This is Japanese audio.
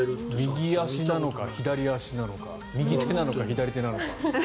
右足なのか左足なのか右手なのか左手なのか。